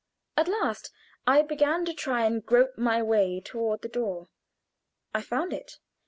At last I began trying to grope my way toward the door. I found it.